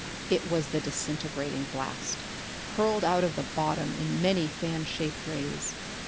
It was the disintegrating blast, hurled out of the bottom in many fan shaped rays.